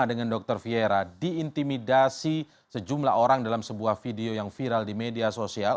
dengan dr fiera diintimidasi sejumlah orang dalam sebuah video yang viral di media sosial